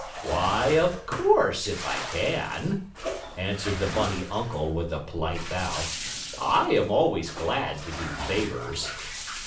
"Why, of course, if I can," answered the bunny uncle, with a polite bow. "I am always glad to do favors."